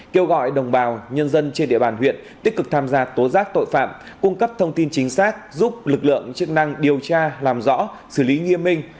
kêu gọi đồng bào nhân dân trên địa bàn huyện tích cực tham gia tố giác tội phạm cung cấp thông tin chính xác giúp lực lượng chức năng điều tra làm rõ xử lý nghiêm minh